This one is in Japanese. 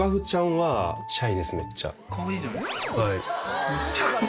はい。